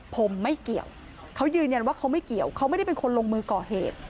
ผมไม่เกี่ยวเขายืนยันว่าเขาไม่เกี่ยวเขาไม่ได้เป็นคนลงมือก่อเหตุ